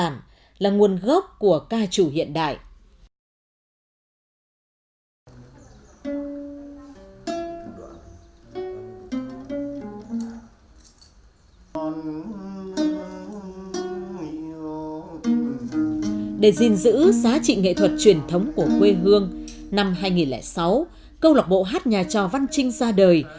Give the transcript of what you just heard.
năm hai nghìn sáu câu lọc bộ hát nhà trò văn trinh ra đời